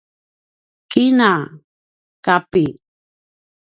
kina: kapi